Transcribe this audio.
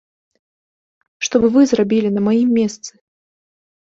Што б вы зрабілі на маім месцы?